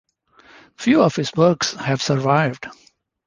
Few of his works have survived.